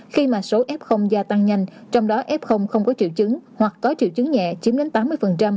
khi mà số f gia tăng nhanh trong đó f không có triệu chứng hoặc có triệu chứng nhẹ chiếm đến tám mươi